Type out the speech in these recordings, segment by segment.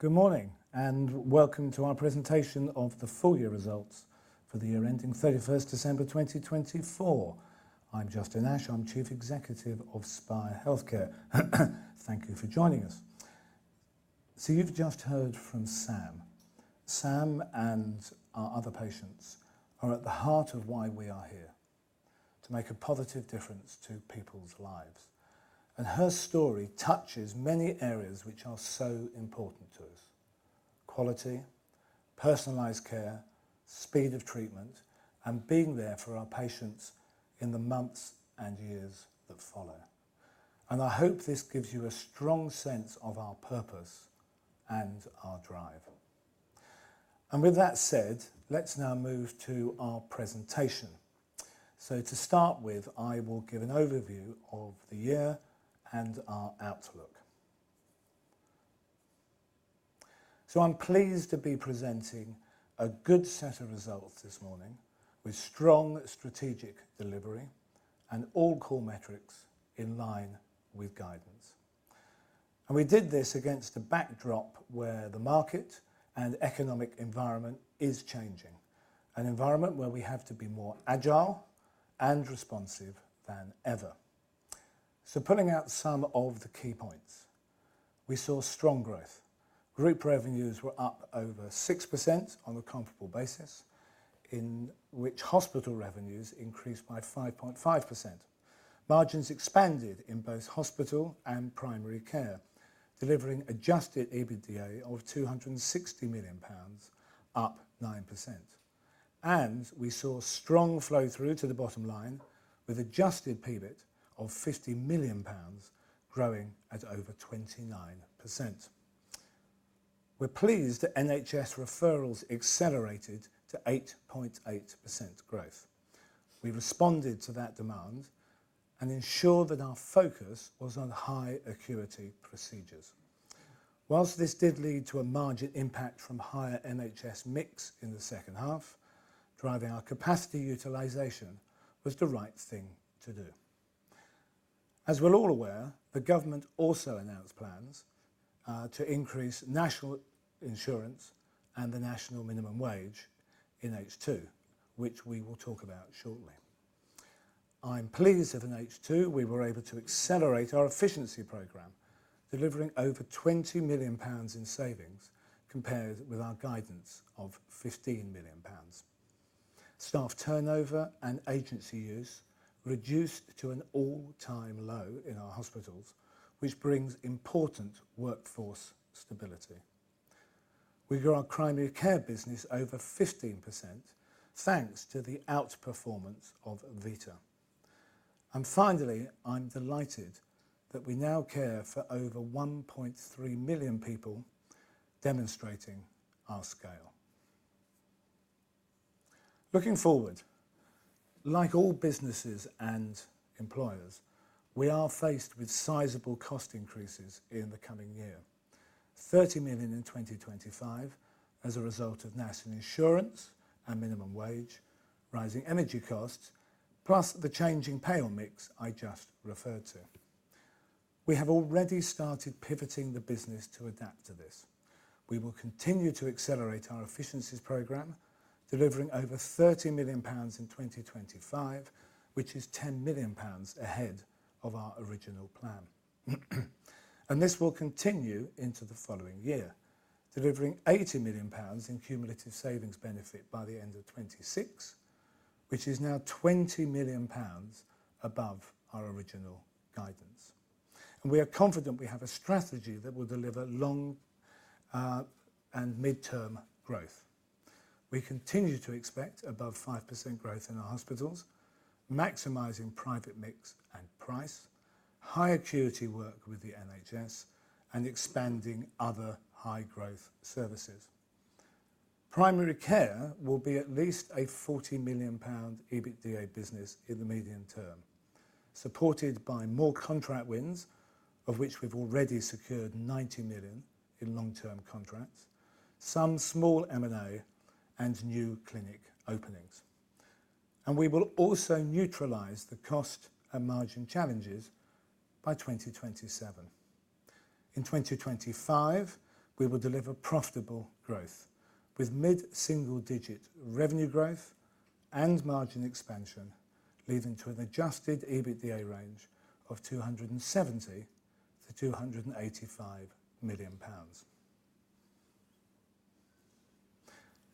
Good morning and welcome to our presentation of the full year results for the year ending 31st December 2024. I'm Justin Ash, I'm Chief Executive of Spire Healthcare. Thank you for joining us. You have just heard from Sam. Sam and our other patients are at the heart of why we are here, to make a positive difference to people's lives. Her story touches many areas which are so important to us: quality, personalized care, speed of treatment, and being there for our patients in the months and years that follow. I hope this gives you a strong sense of our purpose and our drive. With that said, let's now move to our presentation. To start with, I will give an overview of the year and our outlook. I'm pleased to be presenting a good set of results this morning with strong strategic delivery and all core metrics in line with guidance. We did this against a backdrop where the market and economic environment is changing, an environment where we have to be more agile and responsive than ever. Pulling out some of the key points, we saw strong growth. Group revenues were up over 6% on a comparable basis, in which hospital revenues increased by 5.5%. Margins expanded in both hospital and primary care, delivering adjusted EBITDA of 260 million pounds, up 9%. We saw strong flow-through to the bottom line with adjusted PBIT of 50 million pounds, growing at over 29%. We're pleased that NHS referrals accelerated to 8.8% growth. We responded to that demand and ensured that our focus was on high acuity procedures. Whilst this did lead to a margin impact from higher NHS mix in the second half, driving our capacity utilization was the right thing to do. As we're all aware, the government also announced plans to increase national insurance and the national minimum wage in H2, which we will talk about shortly. I'm pleased that in H2 we were able to accelerate our efficiency program, delivering over 20 million pounds in savings compared with our guidance of 15 million pounds. Staff turnover and agency use reduced to an all-time low in our hospitals, which brings important workforce stability. We grew our primary care business over 15% thanks to the outperformance of Vita. Finally, I'm delighted that we now care for over 1.3 million people, demonstrating our scale. Looking forward, like all businesses and employers, we are faced with sizable cost increases in the coming year: 30 million in 2025 as a result of national insurance and minimum wage, rising energy costs, plus the changing payroll mix I just referred to. We have already started pivoting the business to adapt to this. We will continue to accelerate our efficiencies program, delivering over 30 million pounds in 2025, which is 10 million pounds ahead of our original plan. This will continue into the following year, delivering 80 million pounds in cumulative savings benefit by the end of 2026, which is now 20 million pounds above our original guidance. We are confident we have a strategy that will deliver long and midterm growth. We continue to expect above 5% growth in our hospitals, maximizing private mix and price, high acuity work with the NHS, and expanding other high-growth services. Primary care will be at least a 40 million pound EBITDA business in the medium term, supported by more contract wins, of which we've already secured 90 million in long-term contracts, some small M&A, and new clinic openings. We will also neutralize the cost and margin challenges by 2027. In 2025, we will deliver profitable growth with mid-single-digit revenue growth and margin expansion, leading to an adjusted EBITDA range of 270-285 million pounds.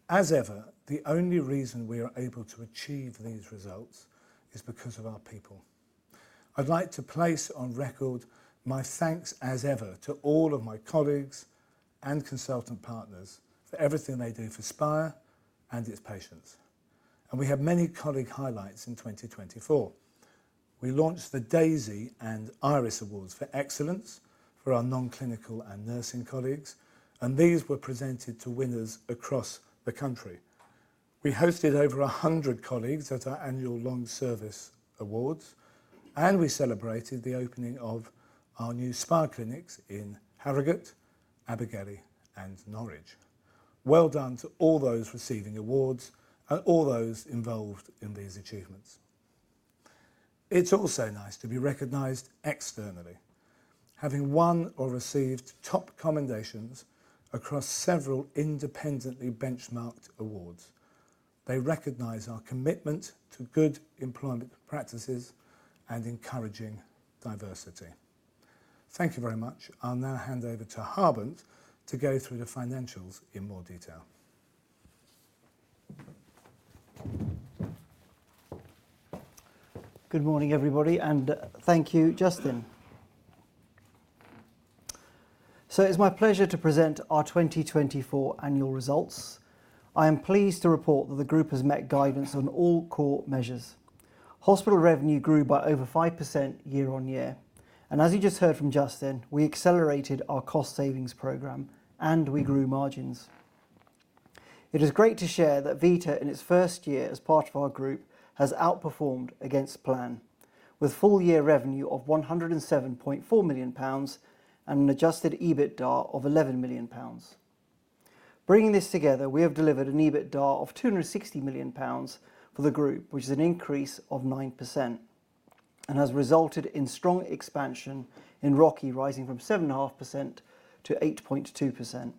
As ever, the only reason we are able to achieve these results is because of our people. I'd like to place on record my thanks, as ever, to all of my colleagues and consultant partners for everything they do for Spire and its patients. We have many colleague highlights in 2024. We launched the Daisy and Iris Awards for excellence for our non-clinical and nursing colleagues, and these were presented to winners across the country. We hosted over 100 colleagues at our annual Long Service Awards, and we celebrated the opening of our new Spire clinics in Harrogate, Abergele, and Norwich. Well done to all those receiving awards and all those involved in these achievements. It is also nice to be recognized externally. Having won or received top commendations across several independently benchmarked awards, they recognize our commitment to good employment practices and encouraging diversity. Thank you very much. I will now hand over to Harbhajan to go through the financials in more detail. Good morning, everybody, and thank you, Justin. It is my pleasure to present our 2024 annual results. I am pleased to report that the group has met guidance on all core measures. Hospital revenue grew by over 5% year on year. As you just heard from Justin, we accelerated our cost savings program and we grew margins. It is great to share that Vita, in its first year as part of our group, has outperformed against plan, with full year revenue of 107.4 million pounds and an adjusted EBITDA of 11 million pounds. Bringing this together, we have delivered an EBITDA of 260 million pounds for the group, which is an increase of 9% and has resulted in strong expansion in ROCE, rising from 7.5% to 8.2%.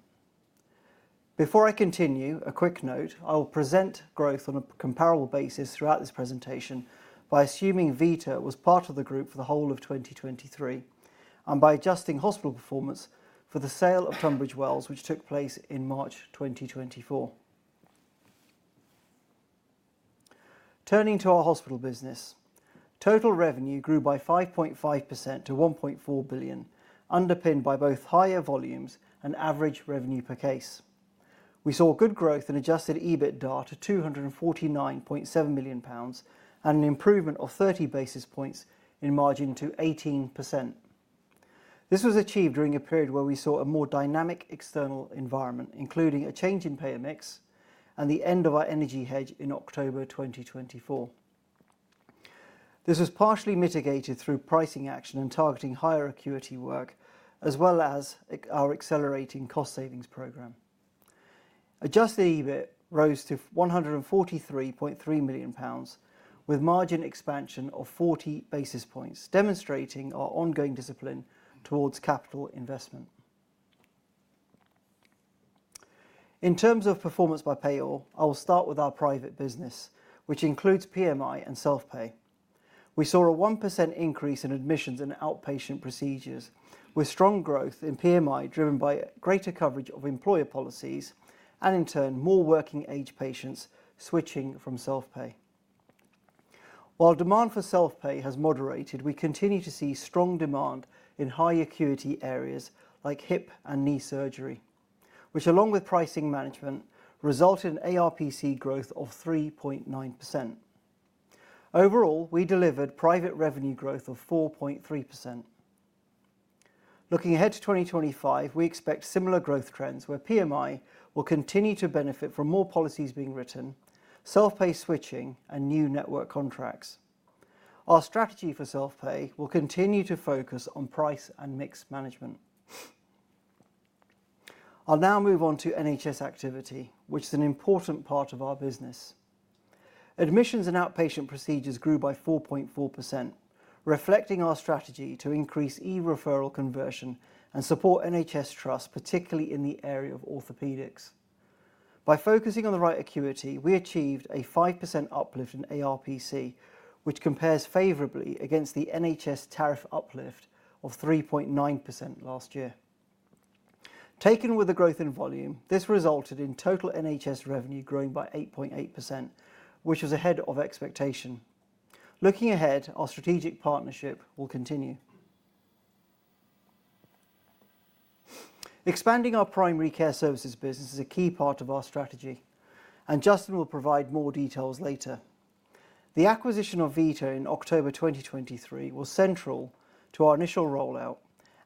Before I continue, a quick note, I will present growth on a comparable basis throughout this presentation by assuming Vita was part of the group for the whole of 2023 and by adjusting hospital performance for the sale of Tunbridge Wells, which took place in March 2024. Turning to our hospital business, total revenue grew by 5.5% to 1.4 billion, underpinned by both higher volumes and average revenue per case. We saw good growth in adjusted EBITDA to 249.7 million pounds and an improvement of 30 basis points in margin to 18%. This was achieved during a period where we saw a more dynamic external environment, including a change in payer mix and the end of our energy hedge in October 2024. This was partially mitigated through pricing action and targeting higher acuity work, as well as our accelerating cost savings program. Adjusted EBITDA rose to 143.3 million pounds with margin expansion of 40 basis points, demonstrating our ongoing discipline towards capital investment. In terms of performance by payroll, I will start with our private business, which includes PMI and self-pay. We saw a 1% increase in admissions and outpatient procedures, with strong growth in PMI driven by greater coverage of employer policies and, in turn, more working-age patients switching from self-pay. While demand for self-pay has moderated, we continue to see strong demand in high acuity areas like hip and knee surgery, which, along with pricing management, resulted in ARPC growth of 3.9%. Overall, we delivered private revenue growth of 4.3%. Looking ahead to 2025, we expect similar growth trends where PMI will continue to benefit from more policies being written, self-pay switching, and new network contracts. Our strategy for self-pay will continue to focus on price and mix management. I'll now move on to NHS activity, which is an important part of our business. Admissions and outpatient procedures grew by 4.4%, reflecting our strategy to increase e-referral conversion and support NHS trust, particularly in the area of orthopedics. By focusing on the right acuity, we achieved a 5% uplift in ARPC, which compares favorably against the NHS tariff uplift of 3.9% last year. Taken with the growth in volume, this resulted in total NHS revenue growing by 8.8%, which was ahead of expectation. Looking ahead, our strategic partnership will continue. Expanding our primary care services business is a key part of our strategy, and Justin will provide more details later. The acquisition of Vita in October 2023 was central to our initial rollout,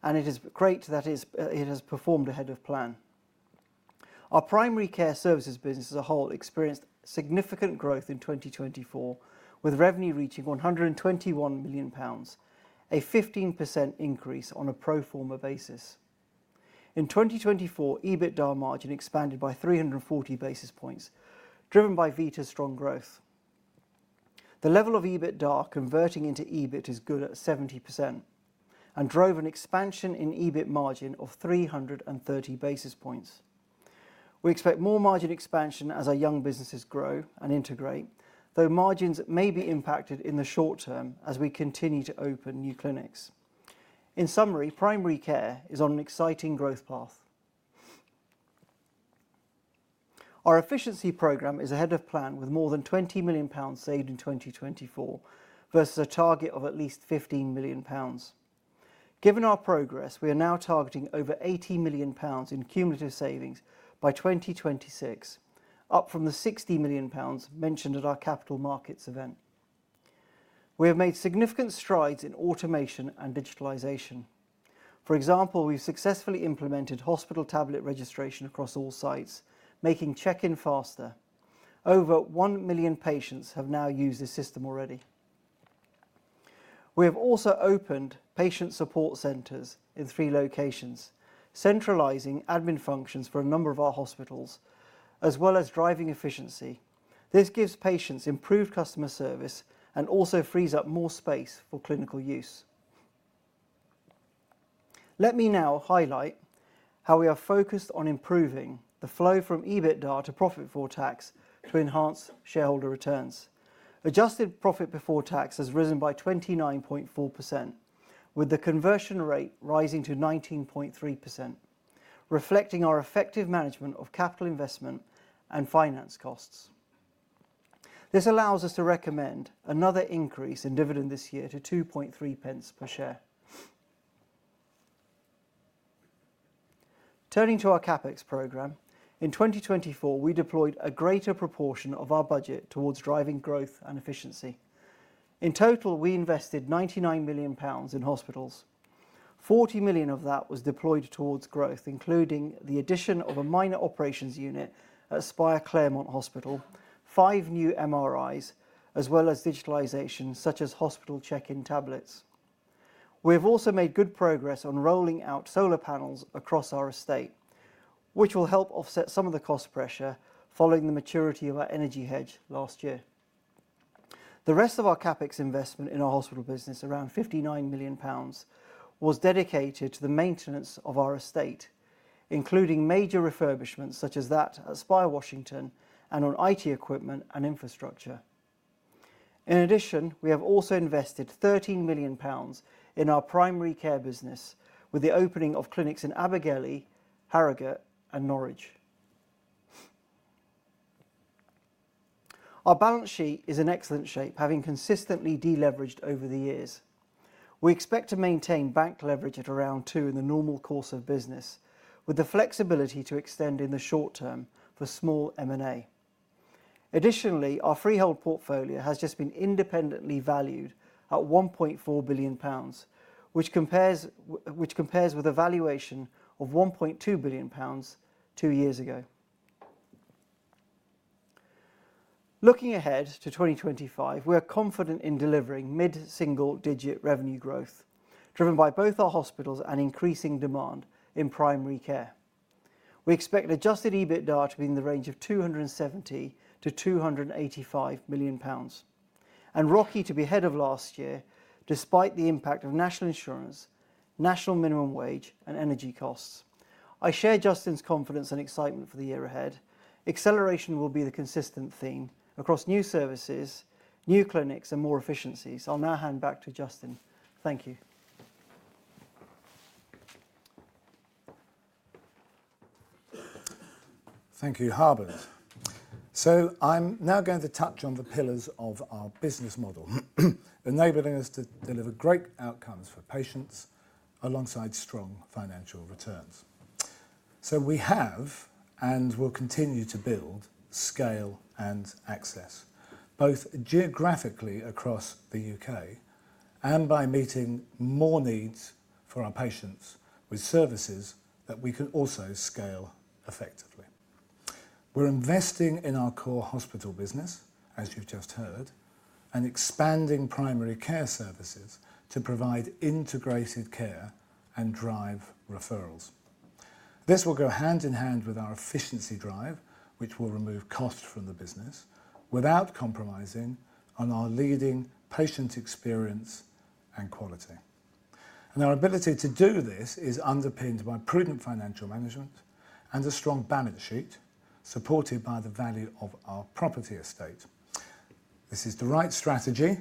and it is great that it has performed ahead of plan. Our primary care services business as a whole experienced significant growth in 2024, with revenue reaching GBP 121 million, a 15% increase on a pro forma basis. In 2024, EBITDA margin expanded by 340 basis points, driven by Vita's strong growth. The level of EBITDA converting into EBITDA is good at 70% and drove an expansion in EBIT margin of 330 basis points. We expect more margin expansion as our young businesses grow and integrate, though margins may be impacted in the short term as we continue to open new clinics. In summary, primary care is on an exciting growth path. Our efficiency program is ahead of plan with more than 20 million pounds saved in 2024 versus a target of at least 15 million pounds. Given our progress, we are now targeting over 80 million pounds in cumulative savings by 2026, up from the 60 million pounds mentioned at our capital markets event. We have made significant strides in automation and digitalization. For example, we've successfully implemented hospital tablet registration across all sites, making check-in faster. Over 1 million patients have now used the system already. We have also opened patient support centers in three locations, centralizing admin functions for a number of our hospitals, as well as driving efficiency. This gives patients improved customer service and also frees up more space for clinical use. Let me now highlight how we are focused on improving the flow from EBITDA to profit before tax to enhance shareholder returns. Adjusted profit before tax has risen by 29.4%, with the conversion rate rising to 19.3%, reflecting our effective management of capital investment and finance costs. This allows us to recommend another increase in dividend this year to 0.023 per share. Turning to our CapEx program, in 2024, we deployed a greater proportion of our budget towards driving growth and efficiency. In total, we invested 99 million pounds in hospitals. 40 million of that was deployed towards growth, including the addition of a minor operations unit at Spire Claremont Hospital, five new MRIs, as well as digitalization such as hospital check-in tablets. We have also made good progress on rolling out solar panels across our estate, which will help offset some of the cost pressure following the maturity of our energy hedge last year. The rest of our CapEx investment in our hospital business, around 59 million pounds, was dedicated to the maintenance of our estate, including major refurbishments such as that at Spire Washington and on IT equipment and infrastructure. In addition, we have also invested 13 million pounds in our primary care business, with the opening of clinics in Abergele, Harrogate, and Norwich. Our balance sheet is in excellent shape, having consistently deleveraged over the years. We expect to maintain bank leverage at around two in the normal course of business, with the flexibility to extend in the short term for small M&A. Additionally, our freehold portfolio has just been independently valued at 1.4 billion pounds, which compares with a valuation of 1.2 billion pounds two years ago. Looking ahead to 2025, we are confident in delivering mid-single-digit revenue growth, driven by both our hospitals and increasing demand in primary care. We expect adjusted EBITDA to be in the range of 270-285 million pounds, and ROCE to be ahead of last year despite the impact of national insurance, national minimum wage, and energy costs. I share Justin's confidence and excitement for the year ahead. Acceleration will be the consistent theme across new services, new clinics, and more efficiencies. I'll now hand back to Justin. Thank you. Thank you, Harbant. I am now going to touch on the pillars of our business model, enabling us to deliver great outcomes for patients alongside strong financial returns. We have and will continue to build scale and access, both geographically across the U.K. and by meeting more needs for our patients with services that we can also scale effectively. We are investing in our core hospital business, as you have just heard, and expanding primary care services to provide integrated care and drive referrals. This will go hand in hand with our efficiency drive, which will remove cost from the business without compromising on our leading patient experience and quality. Our ability to do this is underpinned by prudent financial management and a strong balance sheet supported by the value of our property estate. This is the right strategy,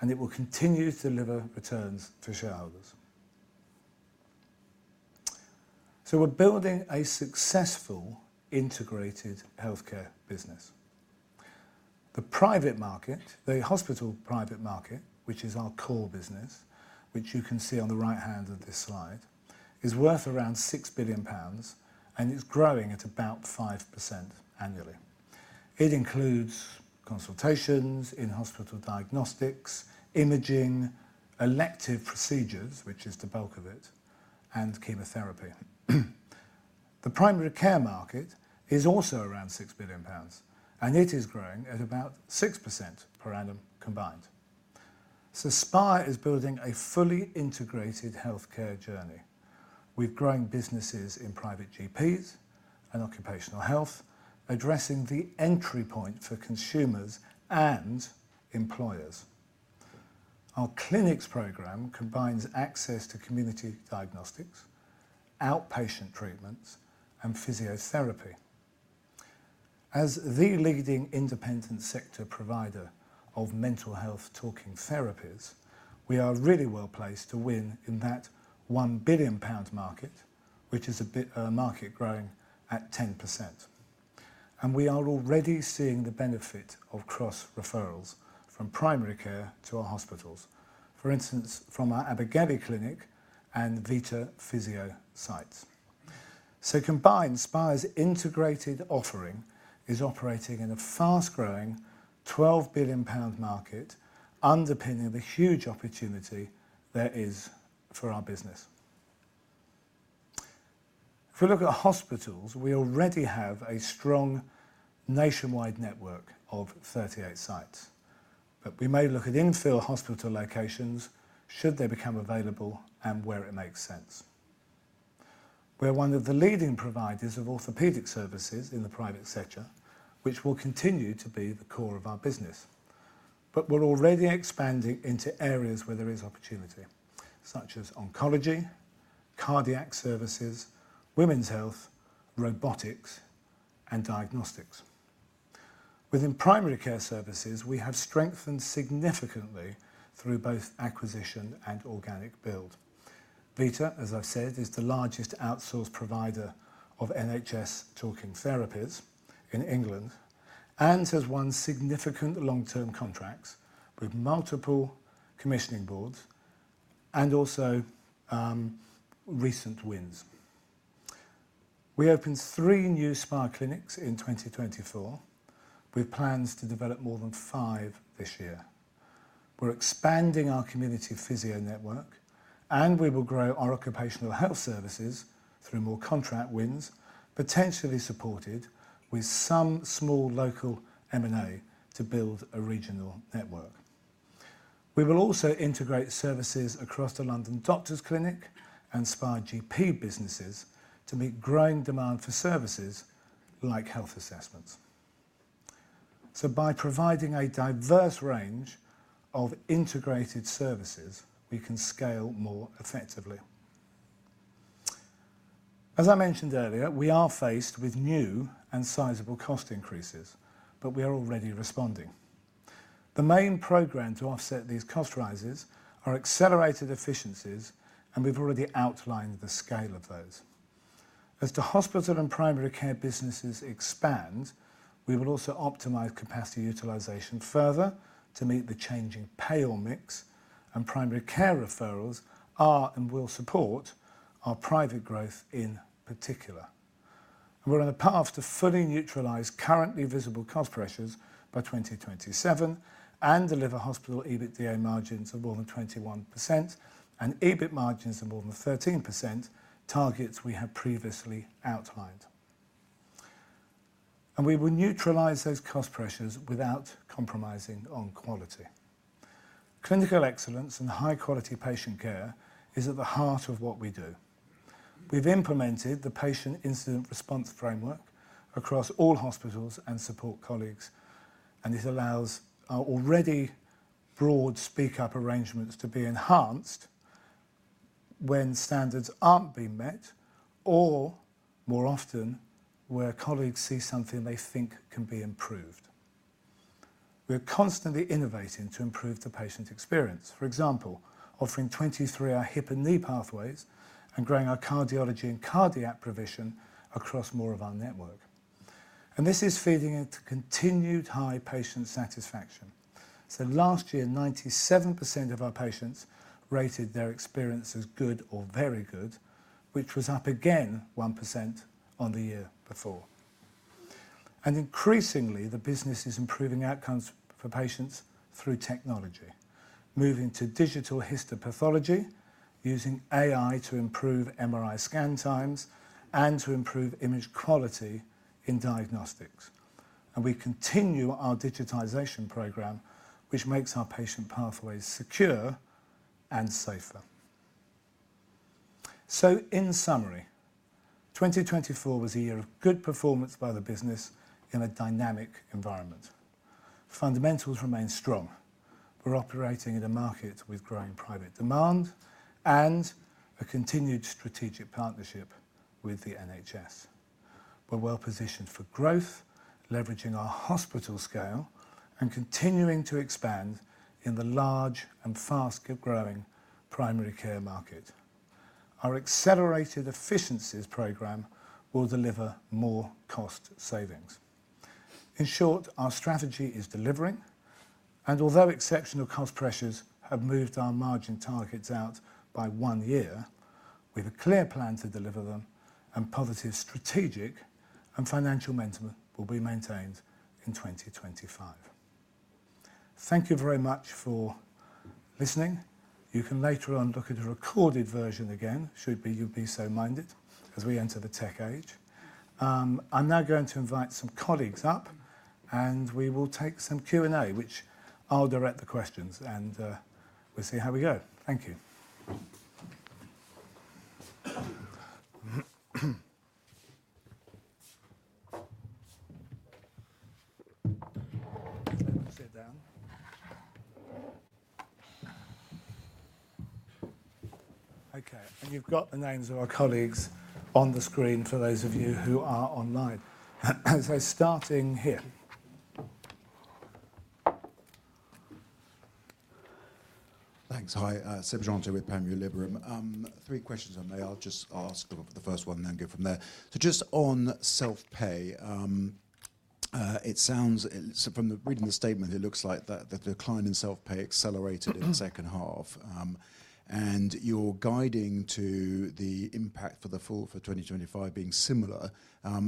and it will continue to deliver returns for shareholders. We are building a successful integrated healthcare business. The private market, the hospital private market, which is our core business, which you can see on the right hand of this slide, is worth around 6 billion pounds, and it is growing at about 5% annually. It includes consultations, in-hospital diagnostics, imaging, elective procedures, which is the bulk of it, and chemotherapy. The primary care market is also around 6 billion pounds, and it is growing at about 6% per annum combined. Spire is building a fully integrated healthcare journey. We have grown businesses in private GPs and occupational health, addressing the entry point for consumers and employers. Our clinics program combines access to community diagnostics, outpatient treatments, and physiotherapy. As the leading independent sector provider of mental health talking therapies, we are really well placed to win in that 1 billion pound market, which is a market growing at 10%. We are already seeing the benefit of cross referrals from primary care to our hospitals, for instance, from our Abergele clinic and Vita Physio sites. Combined, Spire's integrated offering is operating in a fast-growing 12 billion pound market, underpinning the huge opportunity there is for our business. If we look at hospitals, we already have a strong nationwide network of 38 sites, but we may look at infill hospital locations should they become available and where it makes sense. We are one of the leading providers of orthopedic services in the private sector, which will continue to be the core of our business, but we are already expanding into areas where there is opportunity, such as oncology, cardiac services, women's health, robotics, and diagnostics. Within primary care services, we have strengthened significantly through both acquisition and organic build. Vita, as I've said, is the largest outsourced provider of NHS talking therapies in England and has won significant long-term contracts with multiple commissioning boards and also recent wins. We opened three new Spire clinics in 2024, with plans to develop more than five this year. We're expanding our community physio network, and we will grow our occupational health services through more contract wins, potentially supported with some small local M&A to build a regional network. We will also integrate services across the London Doctors Clinic and Spire GP businesses to meet growing demand for services like health assessments. By providing a diverse range of integrated services, we can scale more effectively. As I mentioned earlier, we are faced with new and sizable cost increases, but we are already responding. The main program to offset these cost rises are accelerated efficiencies, and we've already outlined the scale of those. As the hospital and primary care businesses expand, we will also optimize capacity utilization further to meet the changing payroll mix, and primary care referrals are and will support our private growth in particular. We are on a path to fully neutralize currently visible cost pressures by 2027 and deliver hospital EBITDA margins of more than 21% and EBIT margins of more than 13%, targets we have previously outlined. We will neutralize those cost pressures without compromising on quality. Clinical excellence and high-quality patient care is at the heart of what we do. We have implemented the patient incident response framework across all hospitals and support colleagues, and it allows our already broad speak-up arrangements to be enhanced when standards are not being met or, more often, where colleagues see something they think can be improved. We're constantly innovating to improve the patient experience, for example, offering 23-hour hip and knee pathways and growing our cardiology and cardiac provision across more of our network. This is feeding into continued high patient satisfaction. Last year, 97% of our patients rated their experience as good or very good, which was up again 1% on the year before. Increasingly, the business is improving outcomes for patients through technology, moving to digital histopathology, using AI to improve MRI scan times and to improve image quality in diagnostics. We continue our digitization program, which makes our patient pathways secure and safer. In summary, 2024 was a year of good performance by the business in a dynamic environment. Fundamentals remain strong. We're operating in a market with growing private demand and a continued strategic partnership with the NHS. We're well positioned for growth, leveraging our hospital scale and continuing to expand in the large and fast-growing primary care market. Our accelerated efficiencies program will deliver more cost savings. In short, our strategy is delivering. Although exceptional cost pressures have moved our margin targets out by one year, we have a clear plan to deliver them, and positive strategic and financial momentum will be maintained in 2025. Thank you very much for listening. You can later on look at a recorded version again, should you be so minded, as we enter the tech age. I'm now going to invite some colleagues up, and we will take some Q&A, which I'll direct the questions, and we'll see how we go. Thank you. Okay, and you've got the names of our colleagues on the screen for those of you who are online. Starting here. Thanks. Hi, Seb Jantet with Liberum. Three questions on me. I'll just ask the first one and then go from there. Just on self-pay, it sounds from reading the statement, it looks like the decline in self-pay accelerated in the second half, and you're guiding to the impact for the full for 2025 being similar.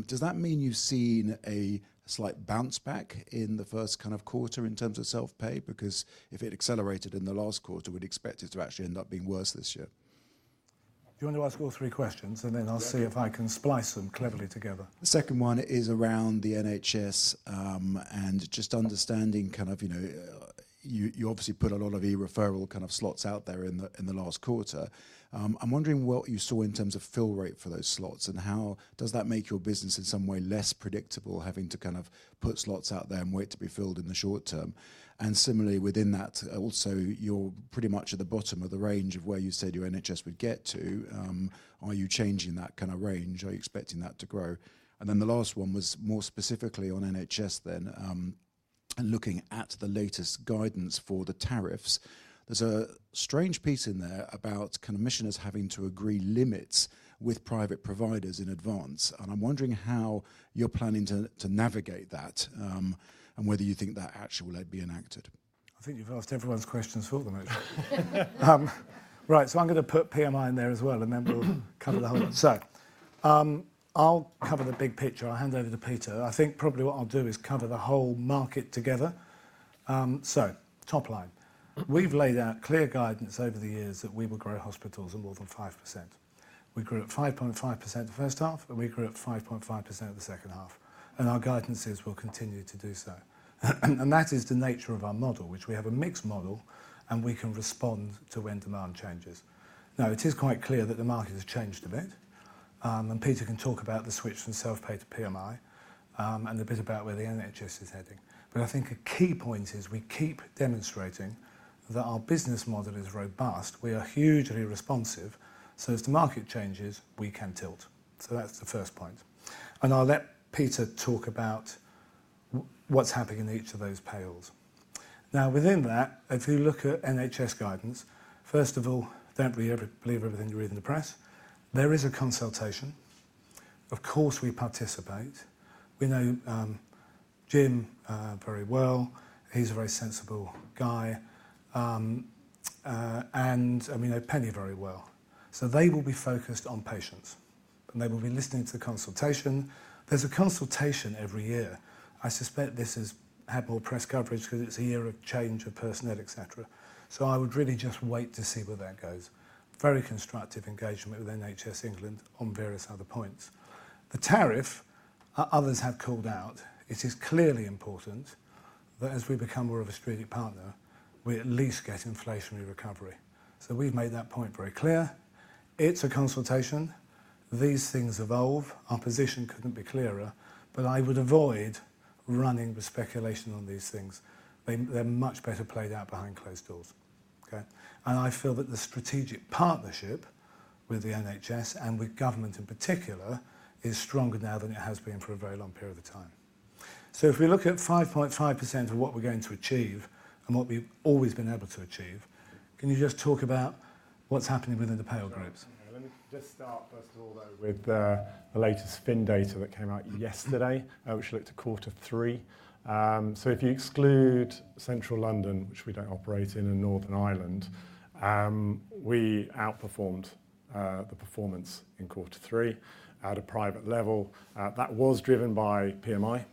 Does that mean you've seen a slight bounce back in the first kind of quarter in terms of self-pay? Because if it accelerated in the last quarter, we'd expect it to actually end up being worse this year. Do you want to ask all three questions, and then I'll see if I can splice them cleverly together? The second one is around the NHS and just understanding kind of, you know, you obviously put a lot of e-referral kind of slots out there in the last quarter. I'm wondering what you saw in terms of fill rate for those slots, and how does that make your business in some way less predictable, having to kind of put slots out there and wait to be filled in the short term? Similarly, within that, also, you're pretty much at the bottom of the range of where you said your NHS would get to. Are you changing that kind of range? Are you expecting that to grow? The last one was more specifically on NHS then, looking at the latest guidance for the tariffs. There's a strange piece in there about kind of missioners having to agree limits with private providers in advance. I'm wondering how you're planning to navigate that and whether you think that actually will be enacted. I think you've asked everyone's questions for them, actually. Right, so I'm going to put PMI in there as well, and then we'll cover the whole one. I'll cover the big picture. I'll hand over to Peter. I think probably what I'll do is cover the whole market together. Top line, we've laid out clear guidance over the years that we will grow hospitals of more than 5%. We grew at 5.5% the first half, and we grew at 5.5% the second half. Our guidance is we'll continue to do so. That is the nature of our model, which we have a mixed model, and we can respond to when demand changes. Now, it is quite clear that the market has changed a bit, and Peter can talk about the switch from self-pay to PMI and a bit about where the NHS is heading. I think a key point is we keep demonstrating that our business model is robust. We are hugely responsive. As the market changes, we can tilt. That's the first point. I'll let Peter talk about what's happening in each of those payrolls. Now, within that, if you look at NHS guidance, first of all, don't believe everything you read in the press. There is a consultation. Of course, we participate. We know Jim very well. He's a very sensible guy. We know Penny very well. They will be focused on patients, and they will be listening to the consultation. There's a consultation every year. I suspect this has had more press coverage because it's a year of change of personnel, etc. I would really just wait to see where that goes. Very constructive engagement with NHS England on various other points. The tariff, others have called out, it is clearly important that as we become more of a strategic partner, we at least get inflationary recovery. We have made that point very clear. It is a consultation. These things evolve. Our position could not be clearer, but I would avoid running the speculation on these things. They are much better played out behind closed doors. Okay? I feel that the strategic partnership with the NHS and with government in particular is stronger now than it has been for a very long period of time. If we look at 5.5% of what we are going to achieve and what we have always been able to achieve, can you just talk about what is happening within the payroll groups? Let me just start, first of all, though, with the latest FIN data that came out yesterday, which looked at quarter three. If you exclude central London, which we do not operate in, and Northern Ireland, we outperformed the performance in quarter three at a private level. That was driven by PMI.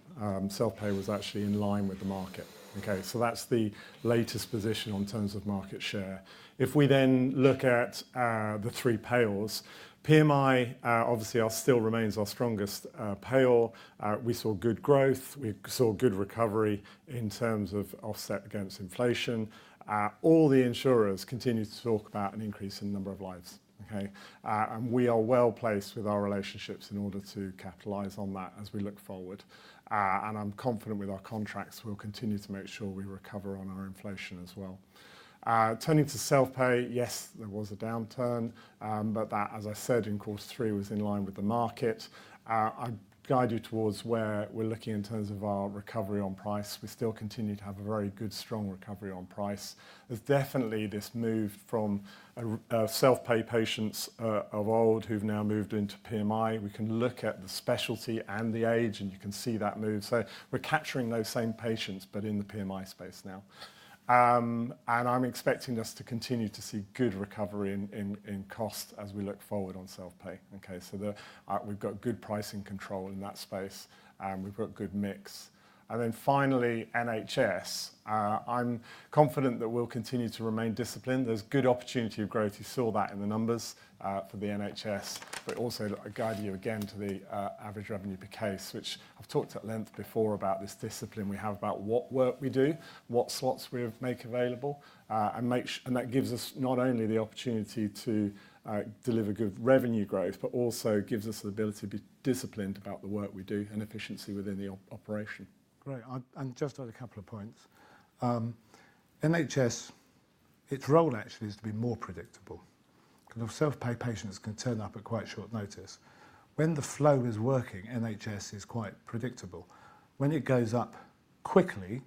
Self-pay was actually in line with the market. That is the latest position in terms of market share. If we then look at the three payrolls, PMI obviously still remains our strongest payroll. We saw good growth. We saw good recovery in terms of offset against inflation. All the insurers continue to talk about an increase in the number of lives. We are well placed with our relationships in order to capitalize on that as we look forward. I'm confident with our contracts, we'll continue to make sure we recover on our inflation as well. Turning to self-pay, yes, there was a downturn, but that, as I said in quarter three, was in line with the market. I guide you towards where we're looking in terms of our recovery on price. We still continue to have a very good, strong recovery on price. There's definitely this move from self-pay patients of old who've now moved into PMI. We can look at the specialty and the age, and you can see that move. We're capturing those same patients, but in the PMI space now. I'm expecting us to continue to see good recovery in cost as we look forward on self-pay. Okay? We've got good pricing control in that space, and we've got a good mix. Finally, NHS, I'm confident that we'll continue to remain disciplined. There's good opportunity of growth. You saw that in the numbers for the NHS. I guide you again to the average revenue per case, which I've talked at length before about this discipline we have about what work we do, what slots we make available. That gives us not only the opportunity to deliver good revenue growth, but also gives us the ability to be disciplined about the work we do and efficiency within the operation. Great. Just on a couple of points, NHS, its role actually is to be more predictable. Self-pay patients can turn up at quite short notice. When the flow is working, NHS is quite predictable. When it goes up quickly,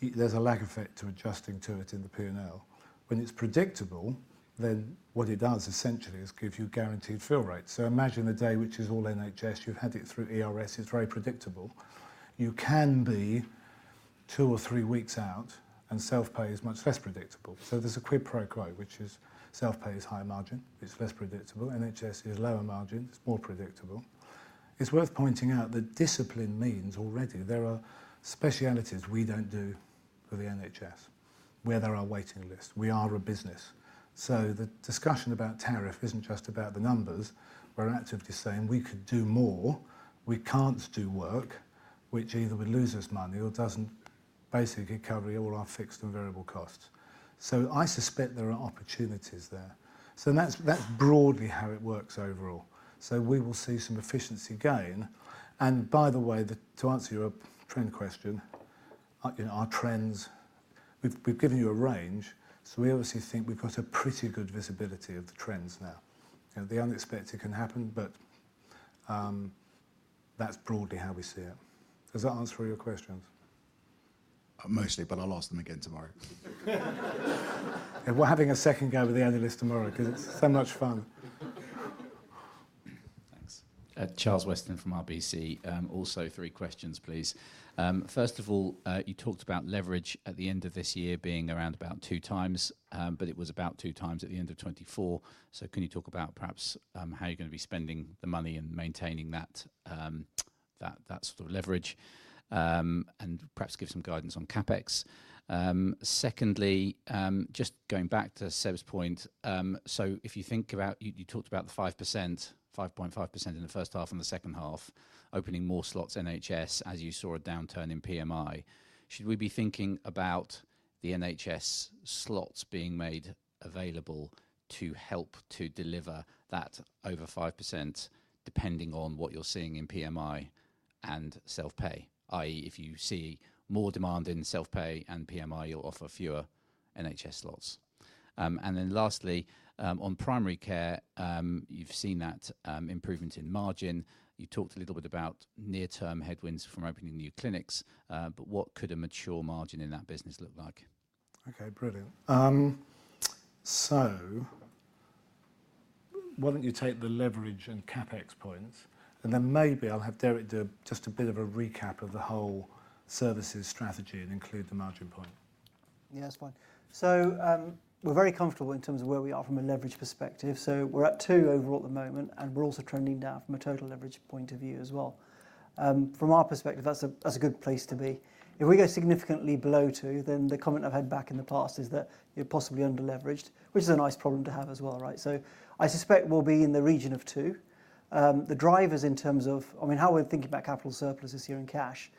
there is a lag effect to adjusting to it in the P&L. When it is predictable, then what it does essentially is give you guaranteed fill rates. Imagine a day which is all NHS. You have had it through ERS. It is very predictable. You can be two or three weeks out, and self-pay is much less predictable. There is a quid pro quo, which is self-pay is high margin. It is less predictable. NHS is lower margin. It is more predictable. It is worth pointing out that discipline means already there are specialties we do not do for the NHS, where there are waiting lists. We are a business. The discussion about tariff isn't just about the numbers. We're actively saying we could do more. We can't do work, which either would lose us money or doesn't basically cover all our fixed and variable costs. I suspect there are opportunities there. That's broadly how it works overall. We will see some efficiency gain. By the way, to answer your trend question, our trends, we've given you a range. We obviously think we've got pretty good visibility of the trends now. The unexpected can happen, but that's broadly how we see it. Does that answer all your questions? Mostly, but I'll ask them again tomorrow. We're having a second go with the analyst tomorrow because it's so much fun. Thanks. Charles Weston from RBC. Also, three questions, please. First of all, you talked about leverage at the end of this year being around about 2x, but it was about 2x at the end of 2024. Can you talk about perhaps how you're going to be spending the money and maintaining that sort of leverage and perhaps give some guidance on CapEx? Secondly, just going back to Seb's point, if you think about, you talked about the 5%-5.5% in the first half and the second half, opening more slots NHS, as you saw a downturn in PMI. Should we be thinking about the NHS slots being made available to help to deliver that over 5%, depending on what you're seeing in PMI and self-pay, i.e., if you see more demand in self-pay and PMI, you'll offer fewer NHS slots? Lastly, on primary care, you've seen that improvement in margin. You talked a little bit about near-term headwinds from opening new clinics, but what could a mature margin in that business look like? Okay, brilliant. Why don't you take the leverage and CapEx points, and then maybe I'll have Derrick do just a bit of a recap of the whole services strategy and include the margin point. Yeah, that's fine. We're very comfortable in terms of where we are from a leverage perspective. We're at two overall at the moment, and we're also trending down from a total leverage point of view as well. From our perspective, that's a good place to be. If we go significantly below two, then the comment I've had back in the past is that you're possibly underleveraged, which is a nice problem to have as well, right? I suspect we'll be in the region of two. The drivers in terms of, I mean, how we're thinking about capital surpluses here in cash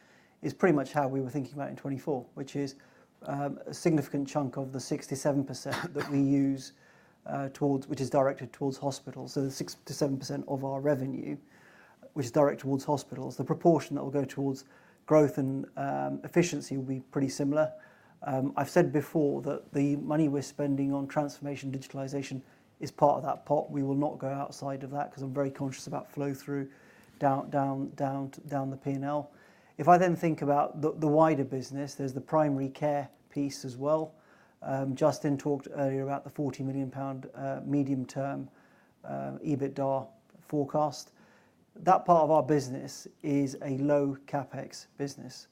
is pretty much how we were thinking about it in 2024, which is a significant chunk of the 67% that we use towards, which is directed towards hospitals. The 6%-7% of our revenue, which is directed towards hospitals, the proportion that will go towards growth and efficiency will be pretty similar. I've said before that the money we're spending on transformation and digitalization is part of that pot. We will not go outside of that because I'm very conscious about flow through down the P&L. If I then think about the wider business, there's the primary care piece as well. Justin talked earlier about the 40 million pound medium-term EBITDA forecast. That part of our business is a low CapEx business.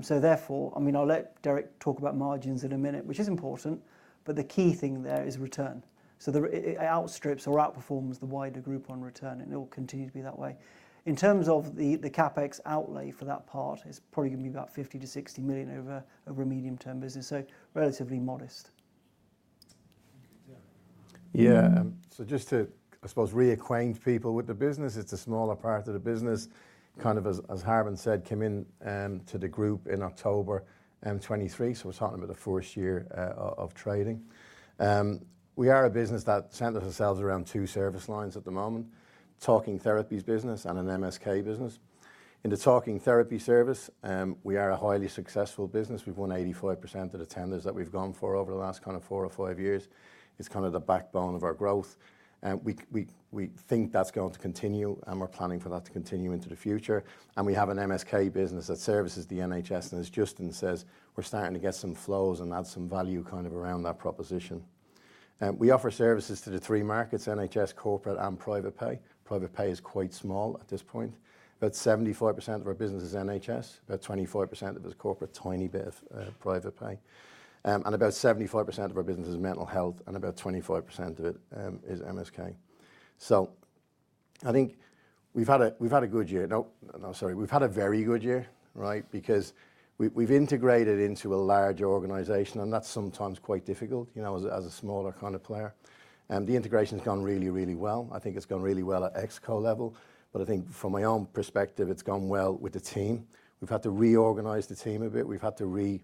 Therefore, I mean, I'll let Derrick talk about margins in a minute, which is important, but the key thing there is return. It outstrips or outperforms the wider group on return, and it will continue to be that way. In terms of the CapEx outlay for that part, it's probably going to be about 50 million-60 million over a medium-term business, so relatively modest. Yeah. Just to, I suppose, reacquaint people with the business, it's a smaller part of the business. Kind of as Harbhajan said, came into the group in October 2023, so we're talking about the first year of trading. We are a business that centers itself around two service lines at the moment, talking therapies business and an MSK business. In the talking therapy service, we are a highly successful business. We've won 85% of the tenders that we've gone for over the last four or five years. It's kind of the backbone of our growth. We think that's going to continue, and we're planning for that to continue into the future. We have an MSK business that services the NHS, and as Justin says, we're starting to get some flows and add some value around that proposition. We offer services to the three markets, NHS, corporate, and private pay. Private pay is quite small at this point. About 75% of our business is NHS, about 25% of it is corporate, a tiny bit of private pay. About 75% of our business is mental health, and about 25% of it is MSK. I think we've had a good year. No, sorry, we've had a very good year, right? Because we've integrated into a larger organization, and that's sometimes quite difficult, you know, as a smaller kind of player. The integration has gone really, really well. I think it's gone really well at exco level, but I think from my own perspective, it's gone well with the team. We've had to reorganize the team a bit. We've had to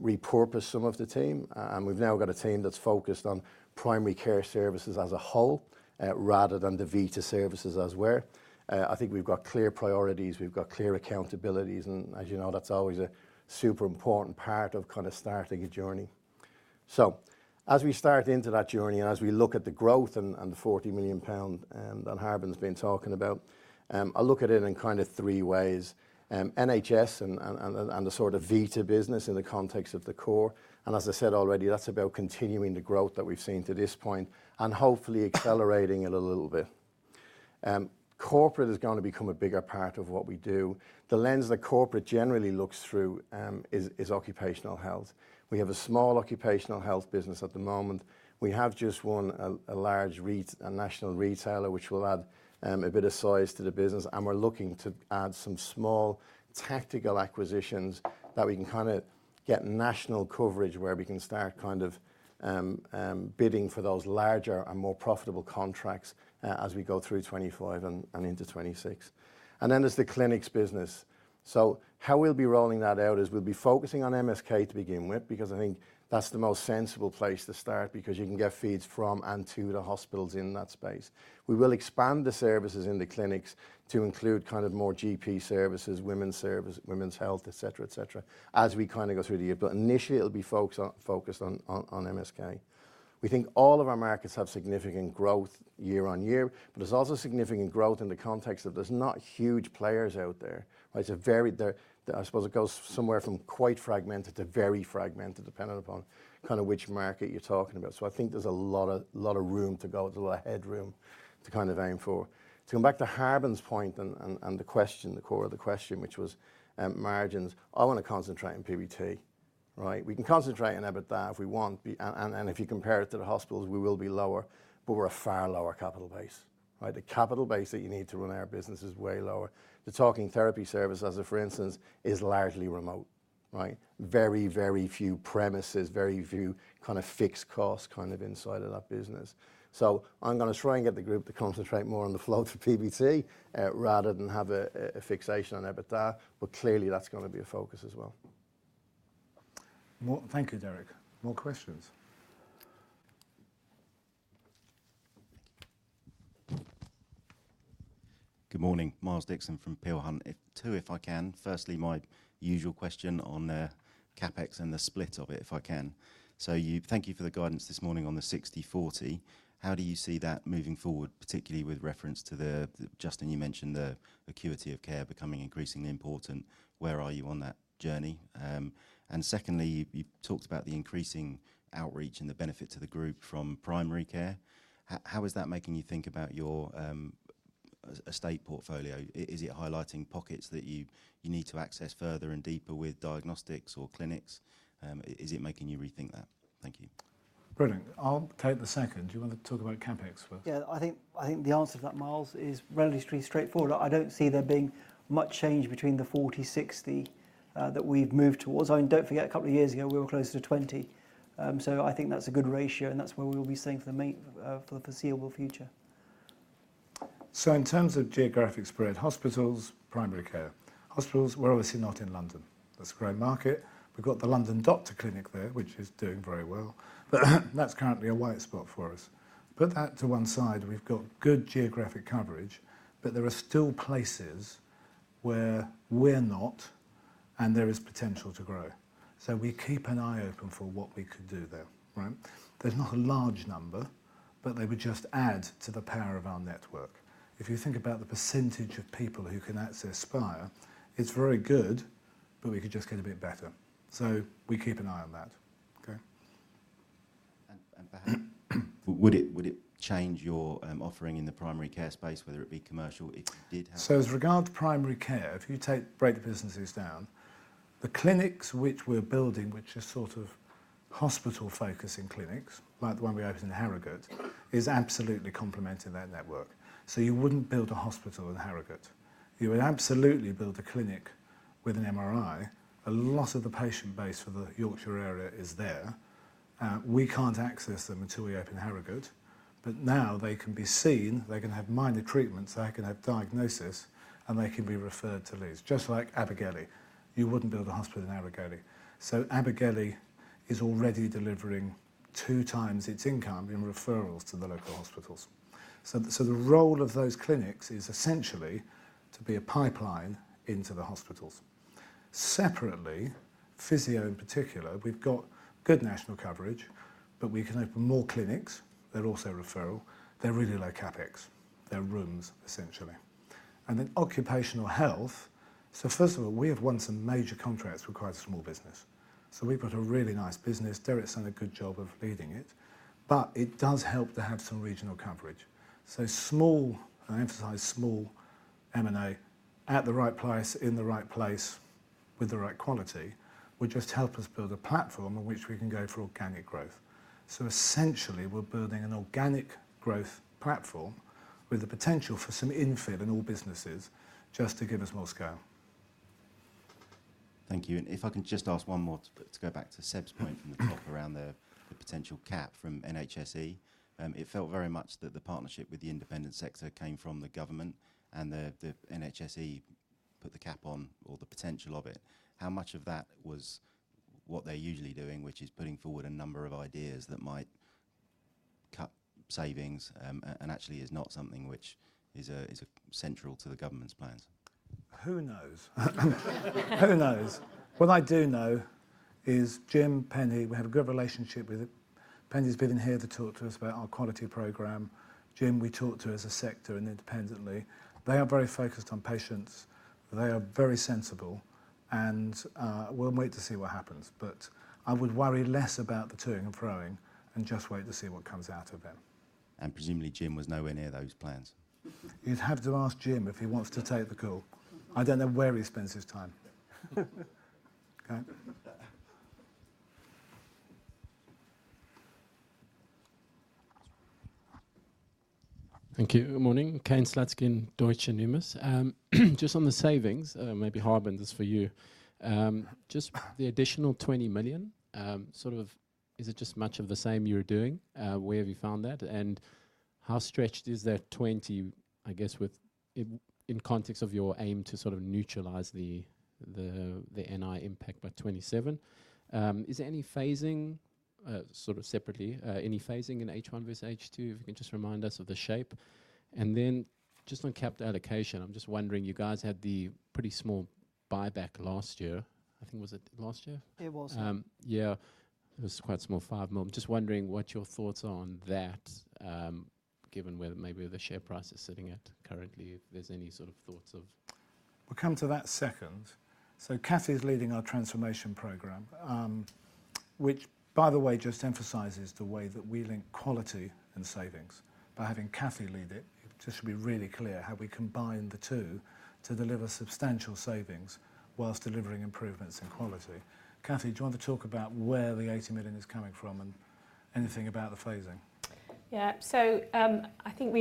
repurpose some of the team, and we've now got a team that's focused on primary care services as a whole rather than the Vita services as we are. I think we've got clear priorities. We've got clear accountabilities, and as you know, that's always a super important part of kind of starting a journey. As we start into that journey and as we look at the growth and the 40 million pound that Harbhajan's been talking about, I look at it in kind of three ways. NHS and the sort of Vita business in the context of the core. As I said already, that's about continuing the growth that we've seen to this point and hopefully accelerating it a little bit. Corporate is going to become a bigger part of what we do. The lens that corporate generally looks through is occupational health. We have a small occupational health business at the moment. We have just won a large national retailer, which will add a bit of size to the business. We are looking to add some small tactical acquisitions that we can kind of get national coverage where we can start kind of bidding for those larger and more profitable contracts as we go through 2025 and into 2026. There is the clinics business. How we will be rolling that out is we will be focusing on MSK to begin with because I think that is the most sensible place to start because you can get feeds from and to the hospitals in that space. We will expand the services in the clinics to include kind of more GP services, women's health, etc., etc., as we kind of go through the year. Initially, it will be focused on MSK. We think all of our markets have significant growth year on year, but there's also significant growth in the context that there's not huge players out there. It's a very, I suppose it goes somewhere from quite fragmented to very fragmented, depending upon kind of which market you're talking about. I think there's a lot of room to go. There's a lot of headroom to kind of aim for. To come back to Harbhajan's point and the question, the core of the question, which was margins, I want to concentrate on PBT, right? We can concentrate on EBITDA if we want, and if you compare it to the hospitals, we will be lower, but we're a far lower capital base, right? The capital base that you need to run our business is way lower. The talking therapy service, as for instance, is largely remote, right? Very, very few premises, very few kind of fixed costs kind of inside of that business. I'm going to try and get the group to concentrate more on the flow to PBT rather than have a fixation on EBITDA, but clearly that's going to be a focus as well. Thank you, Derrick. More questions? Good morning. Miles Dixon from Peel Hunt, too, if I can. Firstly, my usual question on CapEx and the split of it, if I can. Thank you for the guidance this morning on the 60/40. How do you see that moving forward, particularly with reference to the, Justin, you mentioned the acuity of care becoming increasingly important. Where are you on that journey? Secondly, you talked about the increasing outreach and the benefit to the group from primary care. How is that making you think about your estate portfolio? Is it highlighting pockets that you need to access further and deeper with diagnostics or clinics? Is it making you rethink that? Thank you. Brilliant. I'll take the second. Do you want to talk about CapEx first? Yeah, I think the answer to that, Miles, is relatively straightforward. I do not see there being much change between the 40/60 that we have moved towards. I mean, do not forget, a couple of years ago, we were closer to 20. I think that is a good ratio, and that is where we will be staying for the foreseeable future. In terms of geographic spread, hospitals, primary care, hospitals, we're obviously not in London. That's a growing market. We've got the London Doctors Clinic there, which is doing very well, but that's currently a white spot for us. Put that to one side, we've got good geographic coverage, but there are still places where we're not, and there is potential to grow. We keep an eye open for what we could do there, right? There's not a large number, but they would just add to the power of our network. If you think about the percentage of people who can access Spire, it's very good, but we could just get a bit better. We keep an eye on that, okay? Perhaps would it change your offering in the primary care space, whether it be commercial, if you did have? With regard to primary care, if you break the businesses down, the clinics which we're building, which are sort of hospital-focusing clinics, like the one we opened in Harrogate, is absolutely complementing that network. You wouldn't build a hospital in Harrogate. You would absolutely build a clinic with an MRI. A lot of the patient base for the Yorkshire area is there. We can't access them until we open Harrogate, but now they can be seen. They can have minor treatments. They can have diagnosis, and they can be referred to Leeds. Just like Abergele, you wouldn't build a hospital in Abergele. So Abergele is already delivering two times its income in referrals to the local hospitals. The role of those clinics is essentially to be a pipeline into the hospitals. Separately, physio in particular, we've got good national coverage, but we can open more clinics. They're also referral. They're really like CapEx. They're rooms, essentially. Then occupational health. First of all, we have won some major contracts with quite a small business. We've got a really nice business. Derrick's done a good job of leading it, but it does help to have some regional coverage. Small, I emphasize small M&A at the right place, in the right place, with the right quality would just help us build a platform on which we can go for organic growth. Essentially, we're building an organic growth platform with the potential for some infill in all businesses just to give us more scale. Thank you. If I can just ask one more to go back to Seb's point from the top around the potential cap from NHS England, it felt very much that the partnership with the independent sector came from the government, and NHS England put the cap on or the potential of it. How much of that was what they're usually doing, which is putting forward a number of ideas that might cut savings and actually is not something which is central to the government's plans? Who knows? Who knows? What I do know is Jim, Penny, we have a good relationship with him. Penny's been here to talk to us about our quality program. Jim, we talk to as a sector and independently. They are very focused on patients. They are very sensible, and we will wait to see what happens. I would worry less about the toing and froing and just wait to see what comes out of them. Presumably, Jim was nowhere near those plans. You'd have to ask Jim if he wants to take the call. I don't know where he spends his time. Okay. Thank you. Good morning. Kane Slutzkin, Deutsche Numis. Just on the savings, maybe Harbant is for you. Just the additional 20 million, sort of is it just much of the same you're doing? Where have you found that? And how stretched is that 20, I guess, in context of your aim to sort of neutralize the NI impact by 2027? Is there any phasing, sort of separately, any phasing in H1 versus H2, if you can just remind us of the shape? Then just on capped allocation, I'm just wondering, you guys had the pretty small buyback last year. I think was it last year? It was. Yeah. It was quite a small 5 million. Just wondering what your thoughts are on that, given where maybe the share price is sitting at currently, if there's any sort of thoughts of. We'll come to that second. Cathy's leading our transformation program, which, by the way, just emphasizes the way that we link quality and savings. By having Cathie lead it, it just should be really clear how we combine the two to deliver substantial savings whilst delivering improvements in quality. Cathie, do you want to talk about where the 80 million is coming from and anything about the phasing? Yeah. I think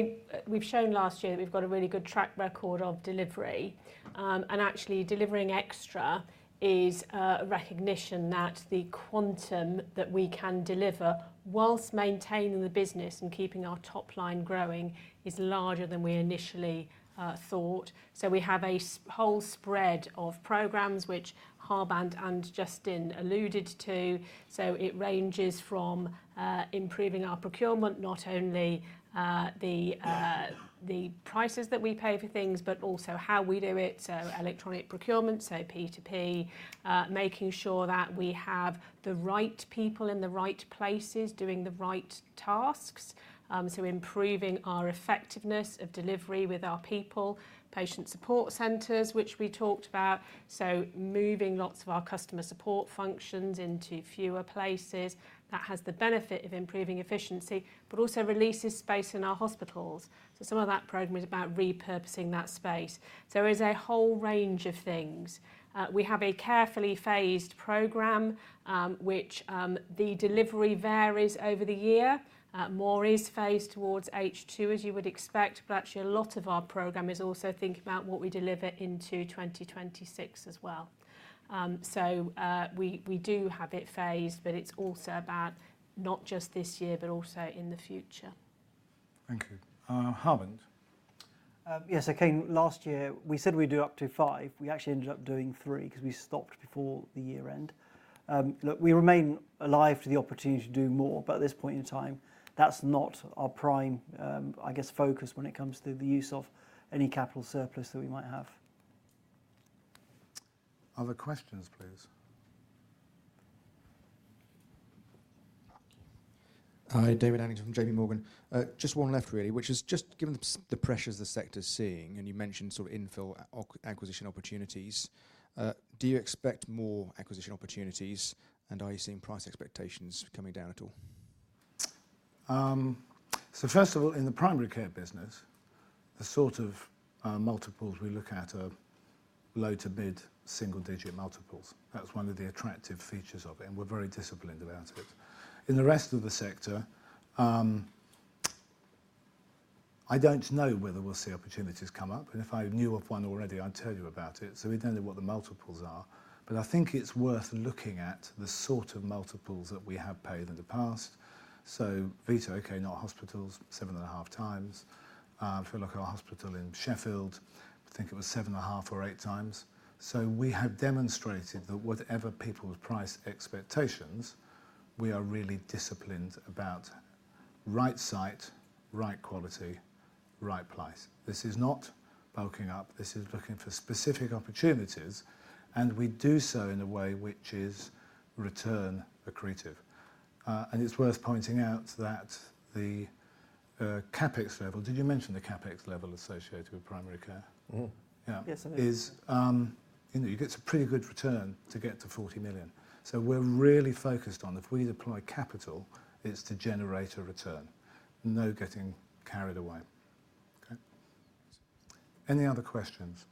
we've shown last year that we've got a really good track record of delivery. Actually, delivering extra is a recognition that the quantum that we can deliver whilst maintaining the business and keeping our top line growing is larger than we initially thought. We have a whole spread of programs, which Harbhajan and Justin alluded to. It ranges from improving our procurement, not only the prices that we pay for things, but also how we do it. Electronic procurement, so P2P, making sure that we have the right people in the right places doing the right tasks. Improving our effectiveness of delivery with our people, patient support centers, which we talked about. Moving lots of our customer support functions into fewer places. That has the benefit of improving efficiency, but also releases space in our hospitals. Some of that program is about repurposing that space. There is a whole range of things. We have a carefully phased program, which the delivery varies over the year. More is phased towards H2, as you would expect, but actually a lot of our program is also thinking about what we deliver into 2026 as well. We do have it phased, but it is also about not just this year, but also in the future. Thank you. Harbhajan? Yes. Okay. Last year, we said we'd do up to five. We actually ended up doing three because we stopped before the year-end. Look, we remain alive to the opportunity to do more, but at this point in time, that's not our prime, I guess, focus when it comes to the use of any capital surplus that we might have. Other questions, please. Hi, David Anningson from JP Morgan. Just one left, really, which is just given the pressures the sector's seeing, and you mentioned sort of infill acquisition opportunities, do you expect more acquisition opportunities, and are you seeing price expectations coming down at all? First of all, in the primary care business, the sort of multiples we look at are low to mid single-digit multiples. That's one of the attractive features of it, and we're very disciplined about it. In the rest of the sector, I don't know whether we'll see opportunities come up. If I knew of one already, I'd tell you about it. We don't know what the multiples are, but I think it's worth looking at the sort of multiples that we have paid in the past. Vita, okay, not hospitals, seven and a half times. I feel like our hospital in Sheffield, I think it was seven and a half or eight times. We have demonstrated that whatever people's price expectations, we are really disciplined about right site, right quality, right price. This is not bulking up. This is looking for specific opportunities, and we do so in a way which is return accretive. It is worth pointing out that the CapEx level— did you mention the CapEx level associated with primary care? Yes, I did. You get a pretty good return to get to 40 million. We are really focused on, if we deploy capital, it is to generate a return, no getting carried away. Okay. Any other questions?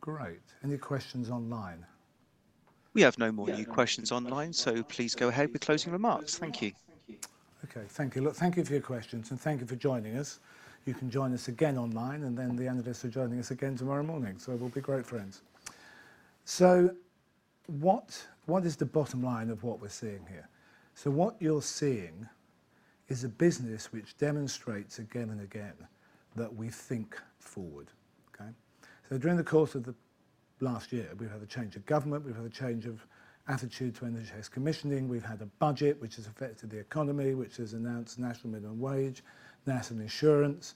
Great. Any questions online? We have no more new questions online, so please go ahead with closing remarks. Thank you. Okay. Thank you. Look, thank you for your questions, and thank you for joining us. You can join us again online, and then the analysts are joining us again tomorrow morning. So we'll be great friends. What is the bottom line of what we're seeing here? What you're seeing is a business which demonstrates again and again that we think forward, okay? During the course of the last year, we've had a change of government. We've had a change of attitude to energy commissioning. We've had a budget which has affected the economy, which has announced national minimum wage, national insurance,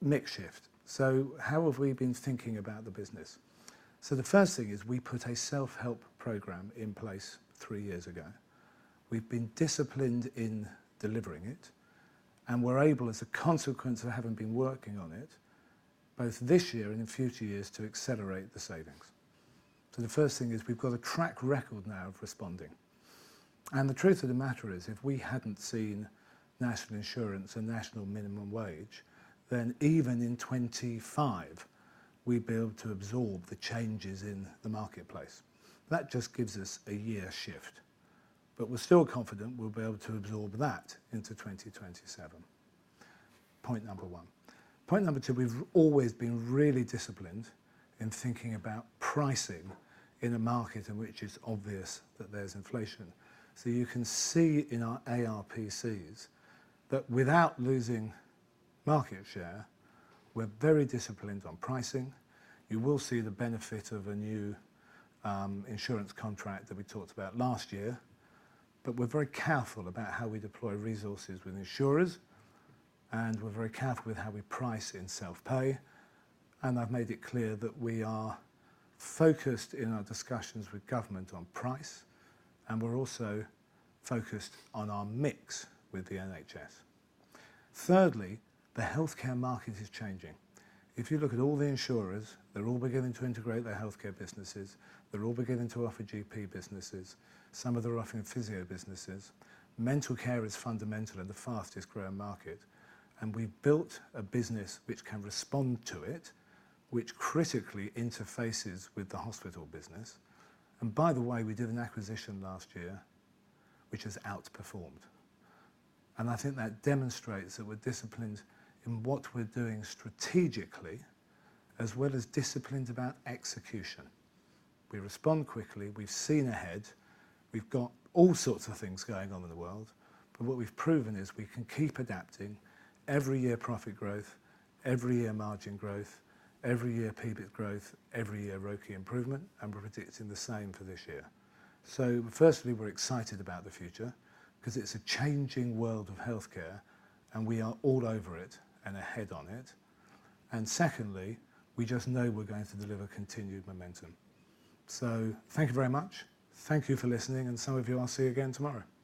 makeshift. How have we been thinking about the business? The first thing is we put a self-help program in place three years ago. We've been disciplined in delivering it, and we're able, as a consequence of having been working on it, both this year and in future years to accelerate the savings. The first thing is we've got a track record now of responding. The truth of the matter is, if we hadn't seen national insurance and national minimum wage, then even in 2025, we'd be able to absorb the changes in the marketplace. That just gives us a year shift, but we're still confident we'll be able to absorb that into 2027. Point number one. Point number two, we've always been really disciplined in thinking about pricing in a market in which it's obvious that there's inflation. You can see in our ARPCs that without losing market share, we're very disciplined on pricing. You will see the benefit of a new insurance contract that we talked about last year, but we're very careful about how we deploy resources with insurers, and we're very careful with how we price in self-pay. I have made it clear that we are focused in our discussions with government on price, and we're also focused on our mix with the NHS. Thirdly, the healthcare market is changing. If you look at all the insurers, they're all beginning to integrate their healthcare businesses. They're all beginning to offer GP businesses. Some of them are offering physio businesses. Mental care is fundamental and the fastest growing market. We built a business which can respond to it, which critically interfaces with the hospital business. By the way, we did an acquisition last year which has outperformed. I think that demonstrates that we're disciplined in what we're doing strategically, as well as disciplined about execution. We respond quickly. We've seen ahead. We've got all sorts of things going on in the world. What we've proven is we can keep adapting every year profit growth, every year margin growth, every year PBIT growth, every year ROCE improvement, and we're predicting the same for this year. Firstly, we're excited about the future because it's a changing world of healthcare, and we are all over it and ahead on it. Secondly, we just know we're going to deliver continued momentum. Thank you very much. Thank you for listening, and some of you I'll see again tomorrow.